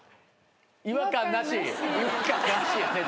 違和感なしやね